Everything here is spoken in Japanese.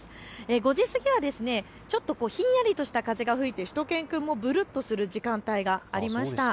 ５時過ぎはちょっとひんやりとした風が吹いて、しゅと犬くんもぶるっとする時間帯がありました。